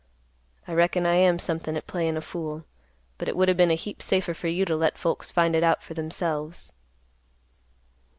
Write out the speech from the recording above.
I reckon I am somethin' at playin' a fool, but it would o' been a heap safer for you to let folks find it out for themselves."